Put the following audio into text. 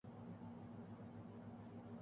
میں نے لرزتے ہوئے ہاتھ کو پرے دھکیلنا چاہا